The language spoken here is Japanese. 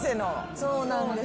そうなんです。